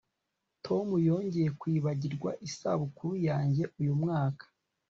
Tom yongeye kwibagirwa isabukuru yanjye uyu mwaka